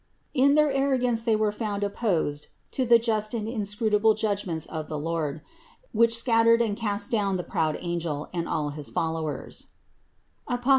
In their arrogance they were found opposed to the just and inscrutable judgments of the Lprd, which scattered and cast down the proud angel and all his followers (Apoc.